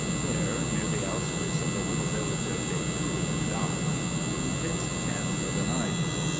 There, near the outskirts of the little village of Détour du Lac, we pitched tent for the night.